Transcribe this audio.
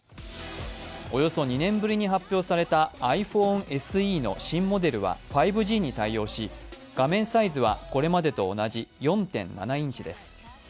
およそ２年ぶりに発表されたｉＰｈｏｎｅＳＥの新モデルは５Ｇに対応し、画面サイズはこれまでと同じ４．７インチです。